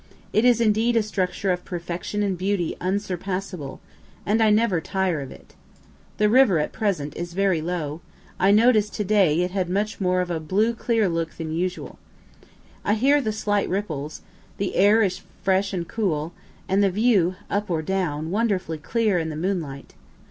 It is indeed a structure of perfection and beauty unsurpassable, and I never tire of it. The river at present is very low; I noticed to day it had much more of a blue clear look than usual. I hear the slight ripples, the air is fresh and cool, and the view, up or down, wonderfully clear, in the moonlight.